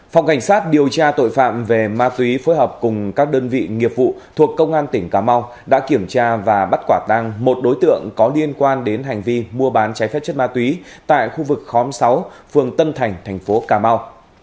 phòng cảnh sát điều tra tội phạm về ma túy phối hợp cùng các đơn vị nghiệp vụ thuộc công an tỉnh cà mau đã kiểm tra và bắt quả tăng một đối tượng có liên quan đến hành vi mua bán trái phép chất ma túy tại khu vực khóm sáu phường tân thành thành phố cà mau